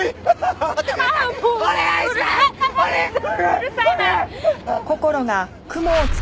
うるさいな！